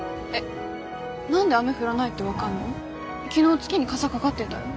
昨日月にかさかかってたよ？